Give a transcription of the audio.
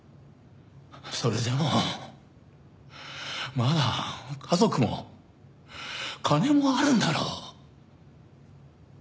それでもまだ家族も金もあるんだろう？